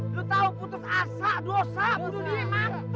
kalian tahu untuk asap